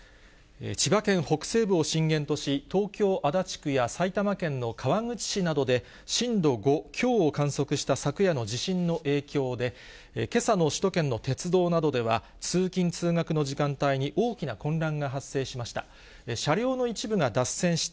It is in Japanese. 千葉県北西部を震源とし、東京・足立区や埼玉県の川口市などで震度５強を観測した昨夜の地震の影響で、けさの首都圏の鉄道などでは、通勤・通学の時間帯に大きな混乱が発生しました。